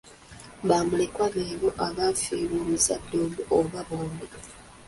Bamulekwa beebo abaafiirwa omuzadde omu oba bombi.